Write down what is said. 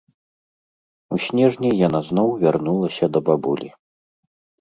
У снежні яна зноў вярнулася да бабулі.